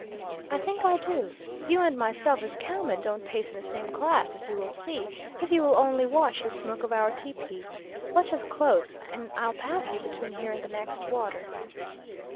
"'I think I do. You and myself as cowmen don't pace in the same class, as you will see, if you will only watch the smoke of our tepee. Watch us close, and I'll pass you between here and the next water.'